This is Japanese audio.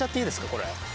これ。